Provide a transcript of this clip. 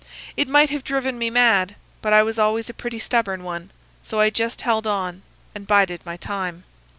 It might have driven me mad; but I was always a pretty stubborn one, so I just held on and bided my time.